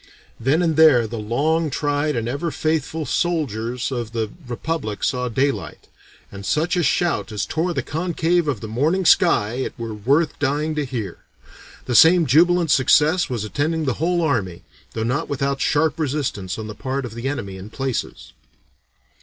Then and there the long tried and ever faithful soldiers of the Republic saw daylight and such a shout as tore the concave of that morning sky it were worth dying to hear." The same jubilant success was attending the whole army, though not without sharp resistance on the part of the enemy in places.